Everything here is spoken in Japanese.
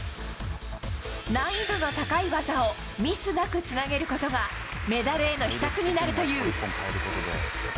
難易度の高い技をミスなくつなげることがメダルへの秘策になるという。